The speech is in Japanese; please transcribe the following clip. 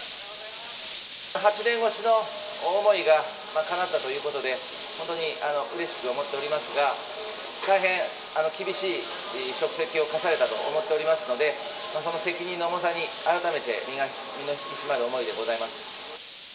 ８年越しの思いがかなったということで、本当にうれしく思っておりますが、大変厳しい職責を課されたと思っておりますので、その責任の重さにあらためて身の引き締まる思いでございます。